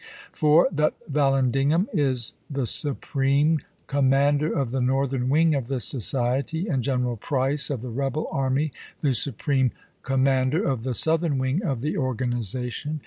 "4. That Vallandigham is the Supreme Com mander of the Northern wing of this society, and Greneral Price, of the rebel army, the Supreme Commander of the Southern wing of the organiza tion.